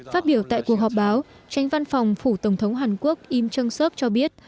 phát biểu tại cuộc họp báo tránh văn phòng phủ tổng thống hàn quốc im trân sớc cho biết